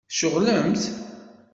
Tceɣlemt?